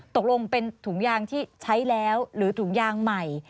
ตกลงเป็นถุงยางที่ใช้แล้วหรือถุงยางใหม่